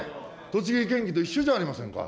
栃木県議と一緒じゃありませんか。